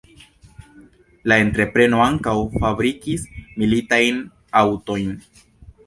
La entrepreno ankaŭ fabrikis militajn aŭtojn.